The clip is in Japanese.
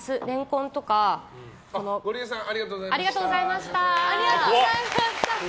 ゴリエさんありがとうございました。